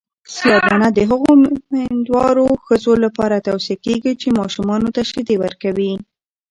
سیاه دانه د هغو میندوارو ښځو لپاره توصیه کیږي چې ماشومانو ته شیدې ورکوي.